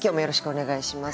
お願いします。